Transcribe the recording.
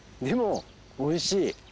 でもおいしい。